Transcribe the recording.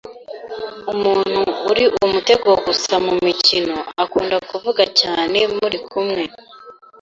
Umuntu uri umutego gusa mumikino akunda kuvuga cyane muri kumwe.